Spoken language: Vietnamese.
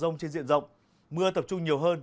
trong mưa rông trên diện rộng mưa tập trung nhiều hơn